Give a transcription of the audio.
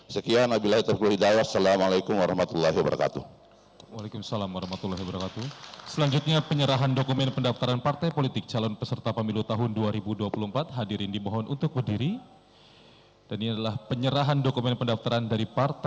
sekian nabila iturkul hidayah assalamualaikum wr wb